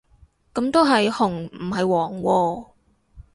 噉都係紅唔係黃喎